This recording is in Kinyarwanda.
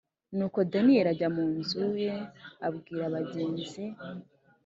Nuko Daniyeli ajya mu nzu ye abibwira bagenzi